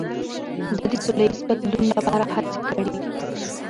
ده د سولهییز بدلون لپاره هڅې کړي.